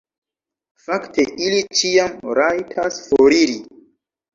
Fakte ili ĉiam rajtas foriri.